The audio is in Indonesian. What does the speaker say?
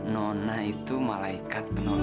nona itu malaikat penolong aku ya